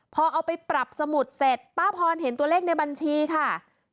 พอเอาไปปรับสมุดเสร็จป้าพรเห็นตัวเลขในบัญชีค่ะ